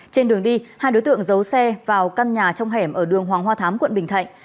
trên đường đi hai đối tượng giấu xe vào căn nhà trong hẻm ở đường hoàng hoa thám quận bình thạnh